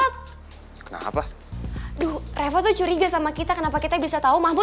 tapi maksudnya masih dia yang ketemu sama mahmud